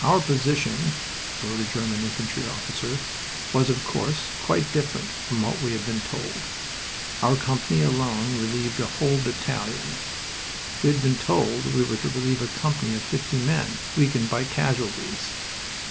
"Our position," wrote a German infantry officer, "was, of course, quite different from what we had been told. Our company alone relieved a whole battalion. We had been told we were to relieve a company of fifty men weakened by casualties.